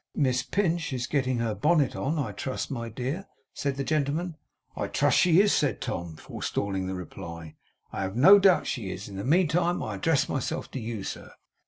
'Miss Pinch is getting her bonnet on, I trust, my dear?' said the gentleman. 'I trust she is,' said Tom, forestalling the reply. 'I have no doubt she is. In the meantime I address myself to you, sir.